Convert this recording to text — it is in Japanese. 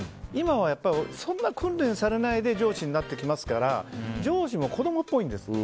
今はそんな訓練されないで上司になってきますから上司も子供っぽいんです。